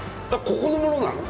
ここのものなの？